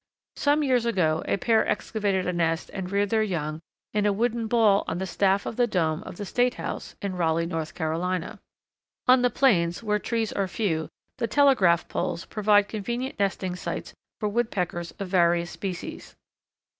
Some years ago a pair excavated a nest and reared their young in a wooden ball on the staff of the dome of the State House in Raleigh, North Carolina. On the plains, where trees are few, the telegraph poles provide convenient nesting sites for Woodpeckers of various species.